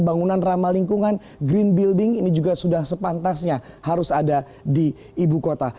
bangunan ramah lingkungan green building ini juga sudah sepantasnya harus ada di ibu kota